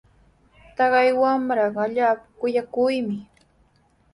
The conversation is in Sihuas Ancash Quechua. Taqay wamraqa allaapa kuyakuqmi.